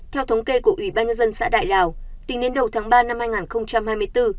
theo thống kê của ủy ban nhân dân xã đại lào tính đến đầu tháng ba năm hai nghìn hai mươi bốn